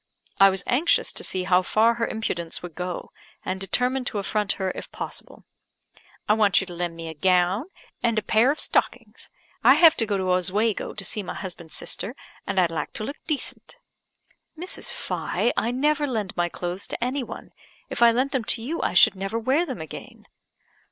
I was anxious to see how far her impudence would go, and determined to affront her if possible. "I want you to lend me a gown, and a pair of stockings. I have to go to Oswego to see my husband's sister, and I'd like to look decent." "Mrs. Fye, I never lend my clothes to any one. If I lent them to you, I should never wear them again."